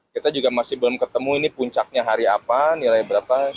kita juga masih belum ketemu ini puncaknya hari apa nilai berapa